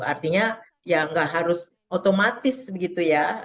artinya ya nggak harus otomatis begitu ya